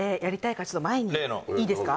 前にいいですか？